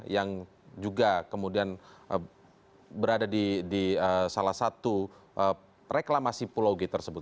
yang juga kemudian berada di salah satu reklamasi pulau g tersebut